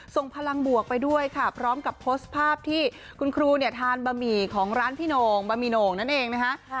ส่งพลังบวกไปด้วยค่ะพร้อมกับโพสต์ภาพที่คุณครูเนี่ยทานบะหมี่ของร้านพี่โหน่งบะหมี่โหน่งนั่นเองนะคะ